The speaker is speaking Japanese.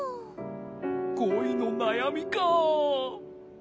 こいのなやみか。